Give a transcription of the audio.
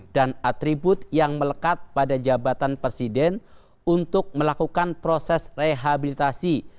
dan atribut yang melekat pada jabatan presiden untuk melakukan proses rehabilitasi